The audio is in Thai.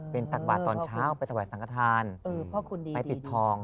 เป็นตากบาทตอนเช้าไปถวายสังฆษานเออพ่อคุณดีไปปิดทอง